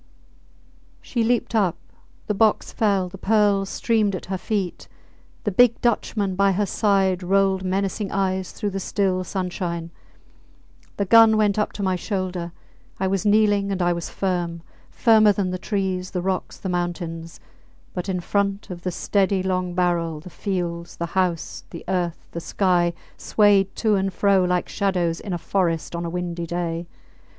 She leaped up; the box fell; the pearls streamed at her feet. The big Dutchman by her side rolled menacing eyes through the still sunshine. The gun went up to my shoulder. I was kneeling and I was firm firmer than the trees, the rocks, the mountains. But in front of the steady long barrel the fields, the house, the earth, the sky swayed to and fro like shadows in a forest on a windy day.